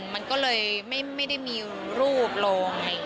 มันก็เลยไม่ได้มีรูปลง